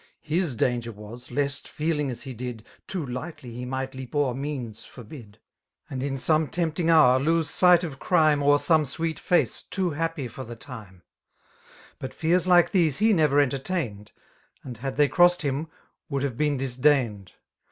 H^ danger wa8» iesl;, feding as he did« Too lightly he might leap o'er means ior))id> £\ so And in some tempting hour Iqee ^^<of crime O'er gome sweet fiice too happy for the time; But fears like these he never entertained^ And had they crossed him> would have been dis dained.